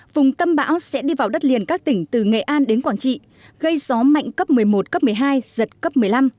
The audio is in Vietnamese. vùng tâm bão sẽ đi vào đất liền các tỉnh từ nghệ an đến quảng trị gây gió mạnh cấp một mươi một cấp một mươi hai giật cấp một mươi năm